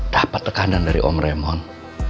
dapat tekanan dari om remon